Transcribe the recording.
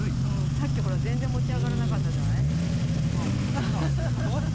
さっきほら全然持ち上がらなかったじゃない。